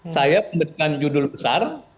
saya memberikan judul besar